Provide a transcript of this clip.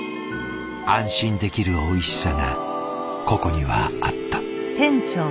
安心できるおいしさがここにはあった。